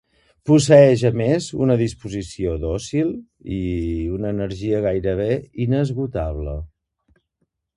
Posseeix a més una disposició dòcil i una energia gairebé inesgotable.